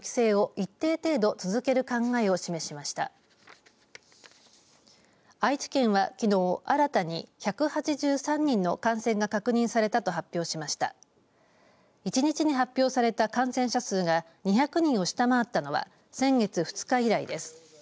１日に発表された感染者数が２００人を下回ったのは先月２日以来です。